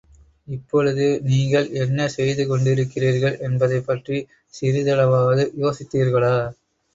இப்பொழுது, நீங்கள் என்ன செய்து கொண்டிருக்கிறீர்கள் என்பதைப் பற்றி சிறிதளவாவது யோசித்தீர்களா?